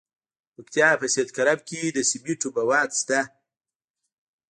د پکتیا په سید کرم کې د سمنټو مواد شته.